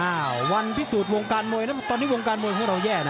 วันพิสูจน์วงการมวยนะตอนนี้วงการมวยของเราแย่นะ